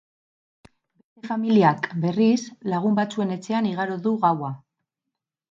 Beste familiak, berriz, lagun batzuen etxean igaro du gaua.